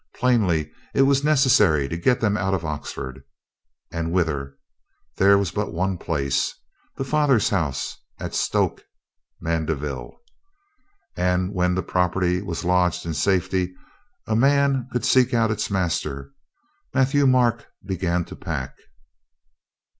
Plainly it was necessary to get them out of Oxford. And whither? There was but one place — the father's house at Stoke Mandeville. And when the prop erty was lodged in safety, a man could seek out its master. Matthieu Marc began to pack.